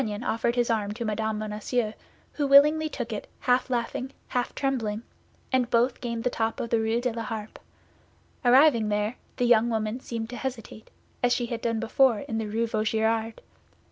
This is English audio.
D'Artagnan offered his arm to Mme. Bonacieux, who willingly took it, half laughing, half trembling, and both gained the top of Rue de la Harpe. Arriving there, the young woman seemed to hesitate, as she had before done in the Rue Vaugirard.